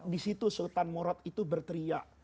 disitu sultan murad itu berteriak